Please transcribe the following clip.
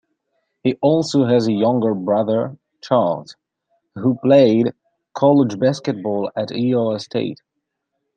He also has a younger brother, Charles, who played college basketball at Iowa State.